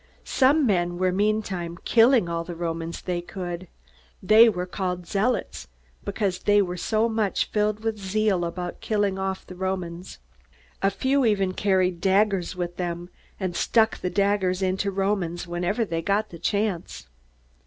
Some men were meantime killing all the Romans they could. They were called "Zealots," because they were so much filled with zeal about killing off the Romans. A few even carried daggers with them, and stuck the daggers into Romans whenever they got a chance.